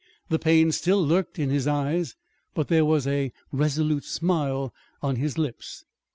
The pain still lurked in his eyes, but there was a resolute smile on his lips.